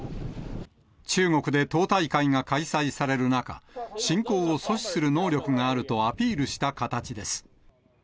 中国で党大会が開催される中、侵攻を阻止する能力があるとアピールした形です。